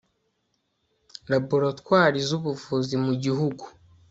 Laboratwari z ubuvuzi mu gihugu